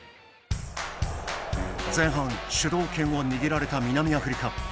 前半、主導権を握られた南アフリカ。